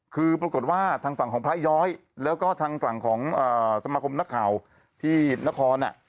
คือปรากฏว่าทางฝั่งของพระย้อยแล้วก็ทางฝั่งของสมาคมนักข่าวที่นคร